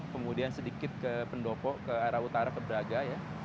kemudian sedikit ke pendopo ke arah utara ke braga ya